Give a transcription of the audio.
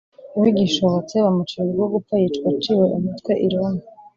bigishobotse, bamucira urwo gupfa yicwa aciwe umutwe i roma